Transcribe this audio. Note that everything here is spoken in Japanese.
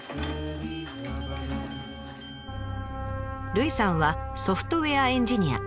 ルイさんはソフトウエアエンジニア。